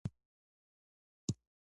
آیا ښځې په اقتصاد کې ونډه لري؟